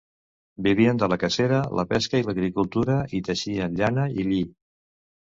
Vivien de la cacera, la pesca i l'agricultura, i teixien llana i lli.